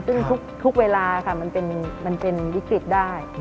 ซึ่งทุกเวลาค่ะมันเป็นวิกฤตได้